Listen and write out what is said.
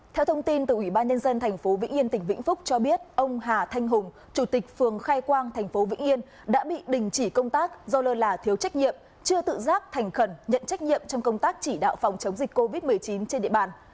theo thông tin từ ủy ban nhân dân tp vĩnh yên tỉnh vĩnh phúc cho biết ông hà thanh hùng chủ tịch phường khai quang tp vĩnh yên đã bị đình chỉ công tác do lơ là thiếu trách nhiệm chưa tự giác thành khẩn nhận trách nhiệm trong công tác chỉ đạo phòng chống dịch covid một mươi chín trên địa bàn